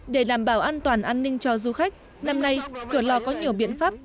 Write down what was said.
để đảm bảo an toàn an ninh cho du khách năm nay cửa lò có nhiều biện pháp